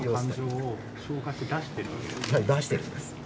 はい出してるんです。